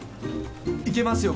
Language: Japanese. いけますよ